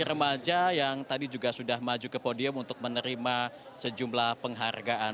remaja yang tadi juga sudah maju ke podium untuk menerima sejumlah penghargaan